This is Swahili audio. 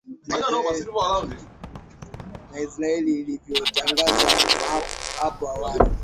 na israel ilivyotangaza hapo awali